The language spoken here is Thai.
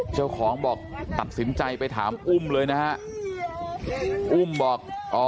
เจ้าของบอกตัดสินใจไปถามอุ้มเลยนะฮะอุ้มบอกอ๋อ